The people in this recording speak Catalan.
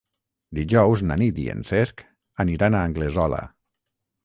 Dijous na Nit i en Cesc aniran a Anglesola.